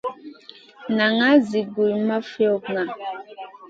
Naŋay zi gu ma fiogŋa.